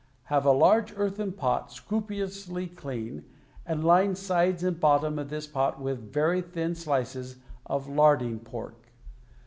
Have a large earthen pot, scrupulously clean, and line sides and bottom of this pot with very thin slices of larding pork.